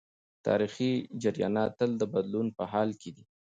تاریخي جریانات تل د بدلون په حال کي دي.